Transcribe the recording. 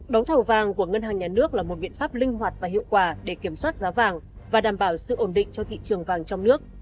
đấu thầu vàng của ngân hàng nhà nước là một biện pháp linh hoạt và hiệu quả để kiểm soát giá vàng và đảm bảo sự ổn định cho thị trường vàng trong nước